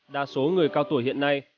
đa số người cao tuổi hiện nay